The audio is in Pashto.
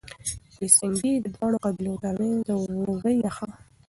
پل سنګي د دواړو قبيلو ترمنځ د ورورۍ نښه وه.